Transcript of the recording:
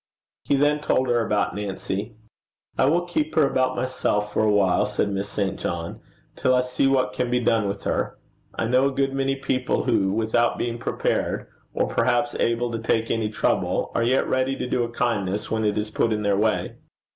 He then told her about Nancy. 'I will keep her about myself for a while,' said Miss St. John, 'till I see what can be done with her. I know a good many people who without being prepared, or perhaps able to take any trouble, are yet ready to do a kindness when it is put in their way.'